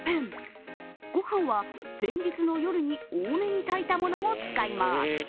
御飯は前日の夜に多めに炊いたものを使います。